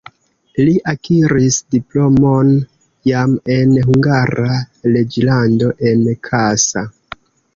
Li akiris diplomon jam en Hungara reĝlando en Kassa.